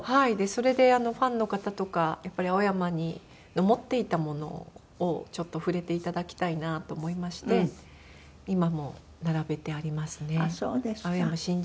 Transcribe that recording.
それでファンの方とかやっぱり青山の持っていたものをちょっと触れていただきたいなと思いまして今も並べてありますね青山真治文庫として。